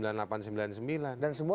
yang itu muncul dari pak wiranto